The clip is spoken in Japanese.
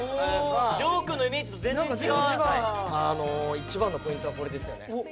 一番のポイントはこれですよね。